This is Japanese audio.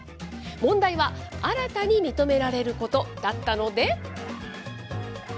問題は、新たに認められることだったので。